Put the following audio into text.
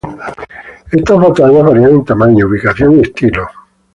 Estas batallas varían en tamaño, ubicación y estilo.